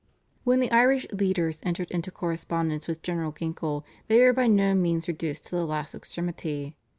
When the Irish leaders entered into correspondence with General Ginkle they were by no means reduced to the last extremity.